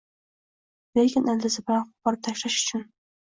lekin ildizi bilan qo‘porib tashlash uchun